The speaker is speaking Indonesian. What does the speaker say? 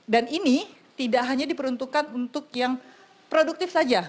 dan ini tidak hanya diperuntukkan untuk yang produktif saja